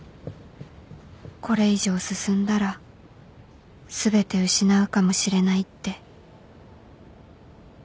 これ以上進んだら全て失うかもしれないって